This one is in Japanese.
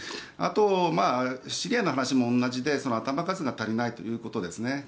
あと、シリアの話も同じで頭数が足りないということですね。